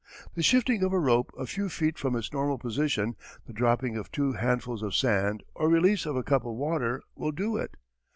The shifting of a rope a few feet from its normal position, the dropping of two handfuls of sand, or release of a cup of water will do it.